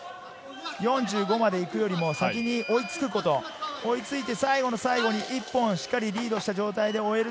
４５まで行くよりも先に追いつくこと、追いついて最後の最後に一本しっかりリードした状態で終える。